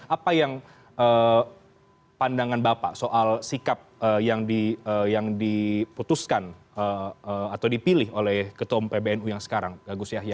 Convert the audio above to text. apa yang pandangan bapak soal sikap yang diputuskan atau dipilih oleh ketua pbnu yang sekarang gus yahya